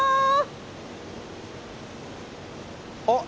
あっ！